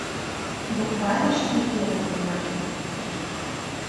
Букварьыш тӱкен ойлена.